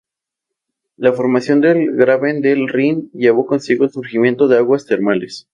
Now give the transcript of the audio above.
La formación del graben del Rin llevó consigo el surgimiento de aguas termales.